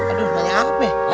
aduh tanya apa